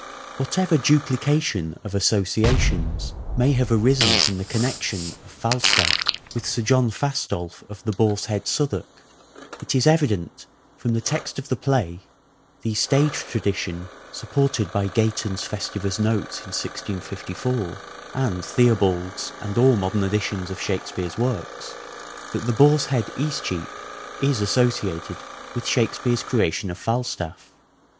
Whatever duplication of associations may have Falstaff. arisen from the connection of Falstaff with Sir John Fastolf of the Boar's Head, Southwark, it is evident from the text of the play, the stage tradition supported by Gayton's Festivous Notes in 1654, and Theobald's and all modern editions of " Shakespeare's " works, that the " Boar's Head," Eastcheap, is associated with Shakespeare's creation of Falstaff.